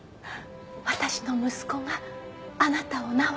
私の息子があなたを治します。